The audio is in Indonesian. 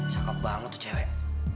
cakep banget tuh cewek